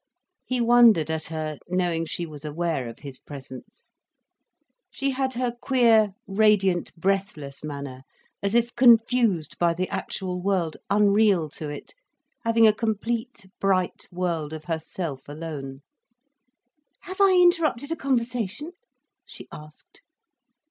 He wondered at her, knowing she was aware of his presence. She had her queer, radiant, breathless manner, as if confused by the actual world, unreal to it, having a complete bright world of her self alone. "Have I interrupted a conversation?" she asked.